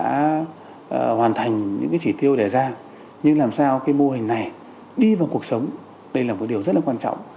đã hoàn thành những cái chỉ tiêu đề ra nhưng làm sao cái mô hình này đi vào cuộc sống đây là một điều rất là quan trọng